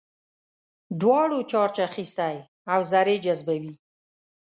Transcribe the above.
دواړو چارج اخیستی او ذرې جذبوي.